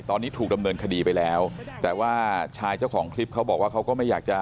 ตอนนี้ถูกดำเนินคดีไปแล้วแต่ว่าชายเจ้าของคลิปเขาบอกว่าเขาก็ไม่อยากจะ